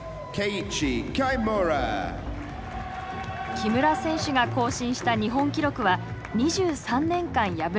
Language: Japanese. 木村選手が更新した日本記録は２３年間破られなかったもの。